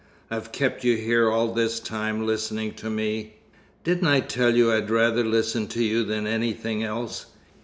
"I've kept you here all this time, listening to me." "Didn't I tell you I'd rather listen to you than anything else?